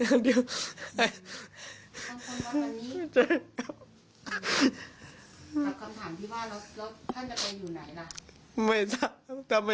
คำถามที่ว่าแล้วท่านจะไปอยู่ไหนล่ะ